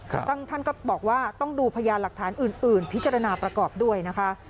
ท่านก็บอกว่าต้องดูพยานหลักฐานอื่นพิจารณาประกอบด้วยนะคะ